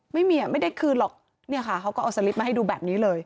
ไม่ได้คืนหรอกเนี่ยค่ะเขาก็เอาสลิปมาให้ดูแบบนี้เลย